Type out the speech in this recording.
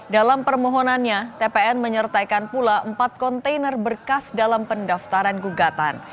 dalam permohonannya tpn menyertaikan pula empat kontainer berkas dalam pendaftaran gugatan